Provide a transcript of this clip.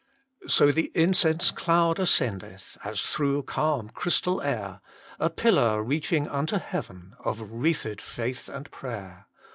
So the incense cloud ascendeth As through calm, crystal air, A pillar reaching unto heaven Of wreathed faith and prayer.